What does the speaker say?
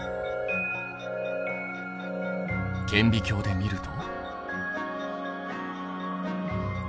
顕微鏡で見ると？